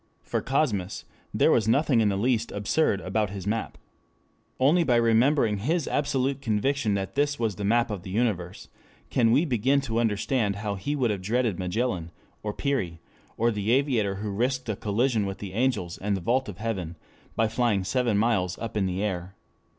For Cosmas there was nothing in the least absurd about his map. Only by remembering his absolute conviction that this was the map of the universe can we begin to understand how he would have dreaded Magellan or Peary or the aviator who risked a collision with the angels and the vault of heaven by flying seven miles up in the air.